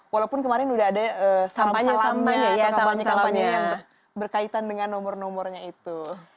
walaupun kemarin sudah ada salam salamnya yang berkaitan dengan nomor nomornya itu